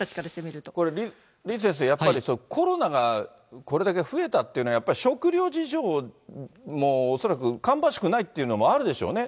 これ、李先生、やっぱりコロナがこれだけ増えたっていうのは、やっぱり食料事情も恐らくかんばしくないっていうのもあるでしょうね。